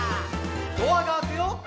「ドアが開くよ」